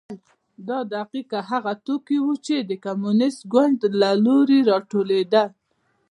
دا دقیقا هغه توکي وو چې د کمونېست ګوند له لوري راټولېدل.